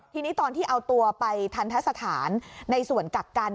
ทีนี้ตอนที่เอาตัวไปทันทะสถานในส่วนกักกัน